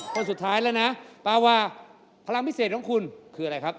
คนสุดท้ายแล้วนะปาวาพลังพิเศษของคุณคืออะไรครับ